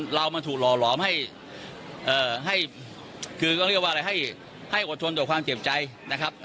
เรามาถูกหล่อหลอมให้คือก็เรียกว่าอะไรให้อดทนต่อความเจ็บใจนะครับ